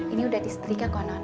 ini udah disetrika kok non